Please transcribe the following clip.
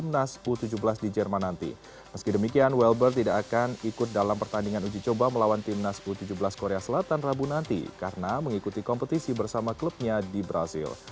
meski demikian welbert tidak akan ikut dalam pertandingan uji coba melawan timnas u tujuh belas korea selatan rabu nanti karena mengikuti kompetisi bersama klubnya di brazil